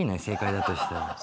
正解だとしたら。